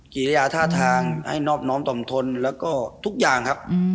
กิริยาท่าทางให้นอบน้อมต่อมทนแล้วก็ทุกอย่างครับ